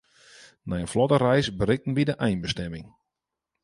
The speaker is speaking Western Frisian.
Nei in flotte reis berikten wy de einbestimming.